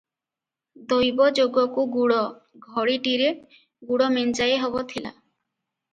ଦୈବ ଯୋଗକୁଗୁଡ଼ ଘଡ଼ିଟିରେ ଗୁଡ଼ ମେଞ୍ଚାଏହବ ଥିଲା ।